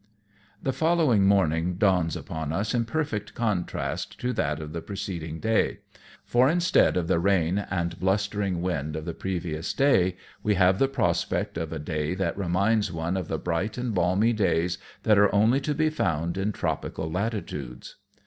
The following morning dawns upon us in perfect contrast to that of the preceding day ; for instead of the rain and blustering wind of the previous day, we have the prospect of a day that reminds one of the bright and balmy days that are only to be found in tropical latitudes.